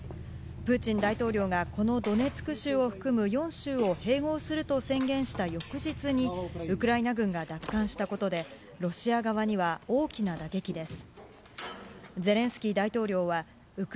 プーチン大統領が、このドネツク州を含む４州を併合すると宣言した翌日に、ウクライナ軍が奪還したことで、ロシア側には大きな打撃です。